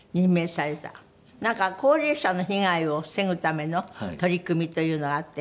なんか高齢者の被害を防ぐための取り組みというのがあって。